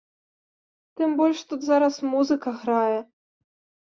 Тым больш тут зараз музыка грае.